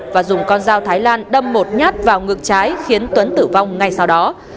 và dùng con dao thái lan đâm một nhát vào ngực trái khiến tuấn tử vong ngay sau đó